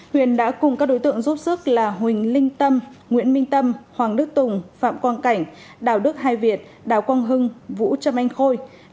huyền đã cùng các đối tượng giúp sức là huỳnh linh tâm nguyễn minh tâm hoàng đức tùng phạm quang cảnh đào đức hai việt đào quang hưng vũ trâm anh khôi